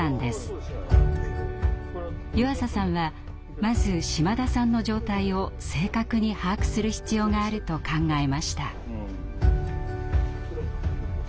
湯浅さんはまず島田さんの状態を正確に把握する必要があると考えました。